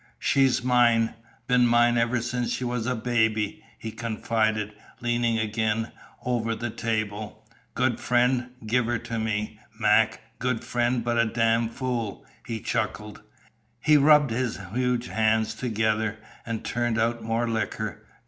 "She's mine been mine ever since she was a baby," he confided, leaning again over the table. "Good friend, give her to me, Mac good friend but a dam' fool," he chuckled. He rubbed his huge hands together and turned out more liquor.